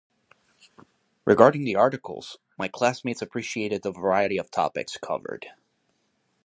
Regarding the articles, my classmates appreciated the variety of topics covered.